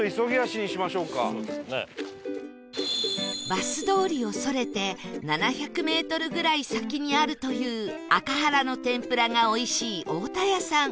バス通りをそれて７００メートルぐらい先にあるというアカハラの天ぷらがおいしいオオタヤさん